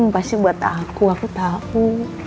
pasti buat aku aku tau